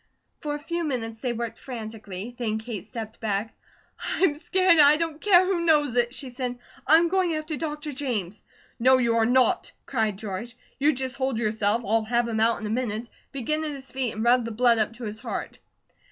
For a few minutes, they worked frantically. Then Kate stepped back. "I'm scared, and I don't care who knows it," she said. "I'm going after Dr. James." "No, you are not!" cried George. "You just hold yourself. I'll have him out in a minute. Begin at his feet and rub the blood up to his heart."